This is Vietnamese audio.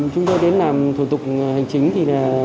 chúng tôi đến làm thủ tục hành chính